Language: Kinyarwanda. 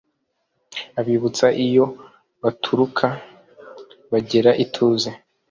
abibutsa iyo baturuka bagira ituze